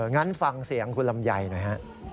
งั้นฟังเสียงคุณลำไยหน่อยฮะ